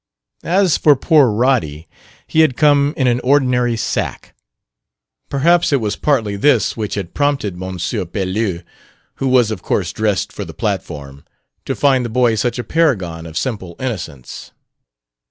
As for poor Roddy, he had come in an ordinary sack: perhaps it was partly this which had prompted M. Pelouse (who was of course dressed for the platform) to find the boy such a paragon of simple innocence.